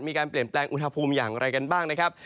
มีการเปลี่ยนแปลงอุณหภูมิอย่างไรกันบ้างนะครับ